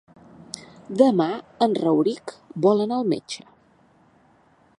Demà en Rauric vol anar al metge.